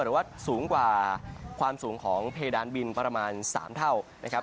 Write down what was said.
หรือว่าสูงกว่าความสูงของเพดานบินประมาณ๓เท่านะครับ